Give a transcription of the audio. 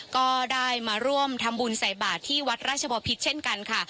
ก็ได้มาร่วมทำบุญใส่บาทที่วัดราชบอพิษเช่นกันค่ะ